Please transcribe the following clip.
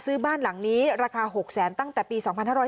ซื้อบ้านหลังนี้ราคา๖๐๐๐๐๐บาทตั้งแต่ปี๒๕๓๙